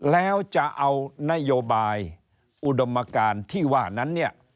แล้วจะเอานโยบายอุดมการที่ว่านั้นเนี่ย